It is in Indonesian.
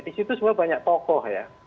di situ sebenarnya banyak tokoh ya